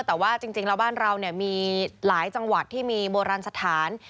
แต่ว่าจริงแล้วบ้านเรามีหลายจังหวัดที่มีโบราณสถาน